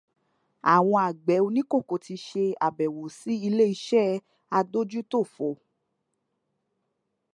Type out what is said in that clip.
Àwọn àgbẹ̀ oníkòkó ti ṣe àbẹ̀wò sí ilé iṣẹ́ adójútòfò